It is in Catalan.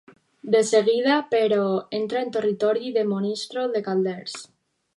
De seguida, però, entra en territori de Monistrol de Calders.